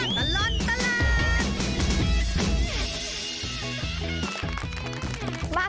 ช่วงตลอดตลาด